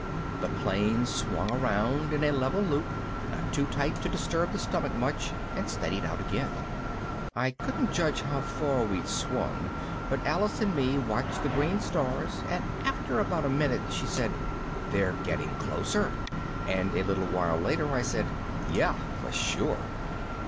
The plane swung around in a level loop, not too tight to disturb the stomach much, and steadied out again. I couldn't judge how far we'd swung but Alice and me watched the green stars and after about a minute she said, "They're getting closer," and a little while later I said, "Yeah, for sure."